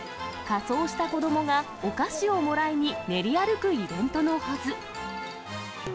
仮装した子どもがお菓子をもらいに練り歩くイベントのはず。